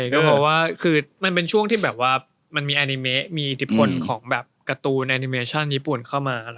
ก็เพราะว่าคือมันเป็นช่วงที่แบบว่ามันมีแอนิเมะมีอิทธิพลของแบบการ์ตูนแอนิเมชั่นญี่ปุ่นเข้ามา